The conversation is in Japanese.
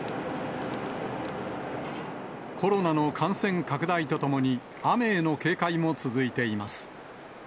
コロナの感染拡大とともに、雨への警戒も続いています。